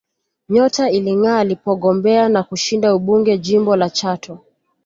Nyota ilingaa alipogombea na kushinda ubunge jimbo la Chato